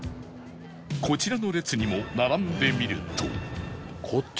こちらの列にも並んでみると